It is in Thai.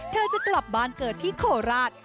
เธอจะกลับบ้านเกิดที่โคราช